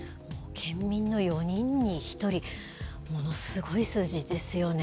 県民の４人に１人ものすごい数字ですよね。